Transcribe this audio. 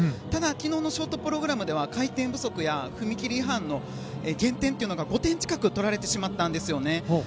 ただ昨日のショートプログラムで回転不足や踏み切り違反の減点が５点近く取られてしまったんですね。